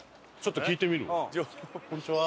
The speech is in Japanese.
こんにちは。